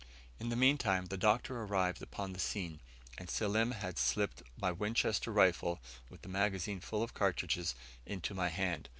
In the meantime the Doctor arrived upon the scene, and Selim had slipped my Winchester rifle, with the magazine full of cartridges, into my hand.